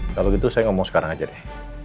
kalau gitu saya ngomong sekarang aja deh